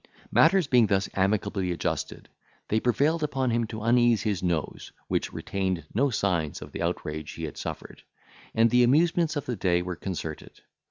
Matters being thus amicably adjusted, they prevailed upon him to unease his nose, which retained no signs of the outrage he had suffered; and the amusements of the day were concerted.